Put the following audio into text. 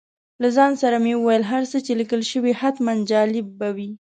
له ځان سره مې وویل هر څه چې لیکل شوي حتماً جالب به وي.